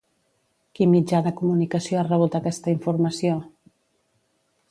Quin mitjà de comunicació ha rebut aquesta informació?